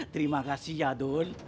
terima kasih ya dul